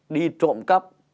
đi trộm cắp